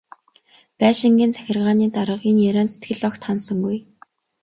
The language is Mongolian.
Байшингийн захиргааны дарга энэ ярианд сэтгэл огт ханасангүй.